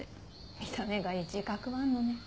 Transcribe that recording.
見た目がいい自覚はあんのね。